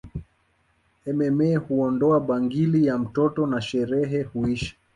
Mma huondoa bangili ya mtoto na sherehe huisha